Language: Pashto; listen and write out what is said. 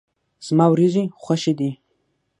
زما وريجي خوښي دي.